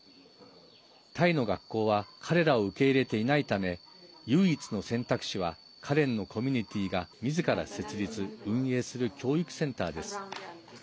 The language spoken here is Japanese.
タイの学校は彼らを受け入れていないため唯一の選択肢はカレンのコミュニティーがみずから設立・運営する教育センターです。